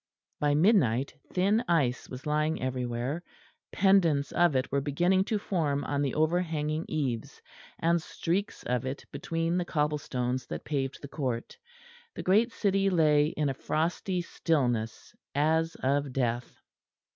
By midnight thin ice was lying everywhere; pendants of it were beginning to form on the overhanging eaves; and streaks of it between the cobble stones that paved the court. The great city lay in a frosty stillness as of death.